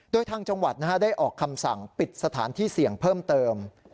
โดยทางจังหวัดได้ออกคำสั่งปิดสถานที่เสี่ยงเพิ่มเติม